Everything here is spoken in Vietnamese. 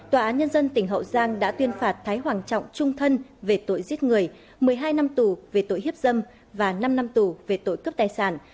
tòa án nhân dân tỉnh hậu giang đã tuyên phạt thái hoàng trọng trung thân về tội giết người một mươi hai năm tù về tội hiếp dâm và năm năm tù về tội cướp tài sản